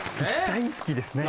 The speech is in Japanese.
大好きですね。